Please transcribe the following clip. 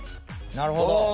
なるほど。